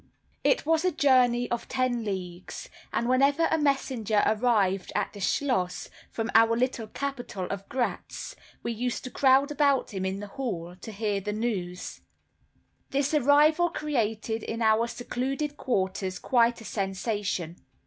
It was a journey of ten leagues, and whenever a messenger arrived at the schloss from our little capital of Gratz, we used to crowd about him in the hall, to hear the news. This arrival created in our secluded quarters quite a sensation.